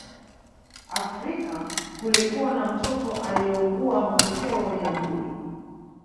Afrika kulikuwa na mtoto aliyeugua matokeo ya ndui